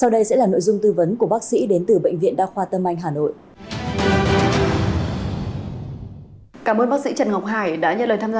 đây sẽ là nội dung tư vấn của bác sĩ đến từ bệnh viện đa khoa tâm anh hà nội